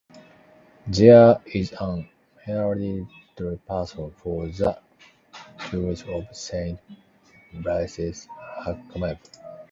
There is an hereditary patron for the Church of Saint Blaise, Haccombe.